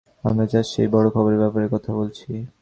আমরা জাস্ট সেই বড় খবরের ব্যাপারে কথা বলছি।